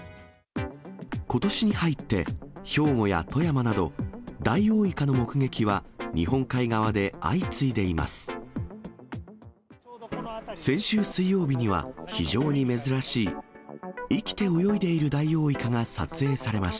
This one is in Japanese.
ことしに入って、兵庫や富山など、ダイオウイカの目撃は日本海側で相次いでいます。